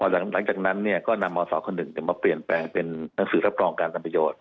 หลังจากนั้นก็นำมศค๑มาเปลี่ยนแปลงเป็นหนังสือรับรองการทำประโยชน์